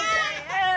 ああ。